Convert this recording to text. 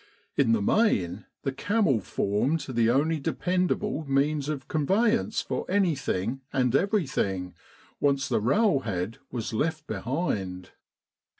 In the main, the camel formed the only dependable means of con veyance for anything and everything, once the rail head was left behind.